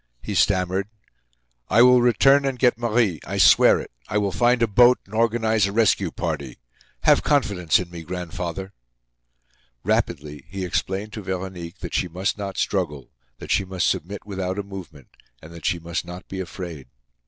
He stammered: "I will return and get Marie. I swear it. I will find a boat and organize a rescue party. Have confidence in me, grandfather!" Rapidly, he explained to Veronique that she must not struggle, that she must submit without a movement, and that she must not be afraid.